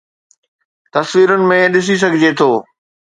تصويرن ۾ ڏسي سگھجي ٿو